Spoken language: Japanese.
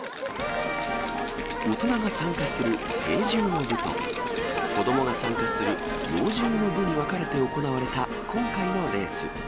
大人が参加する成獣の部と、子どもが参加する幼獣の部に分かれて行われた今回のレース。